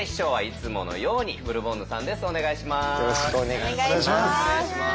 よろしくお願いします。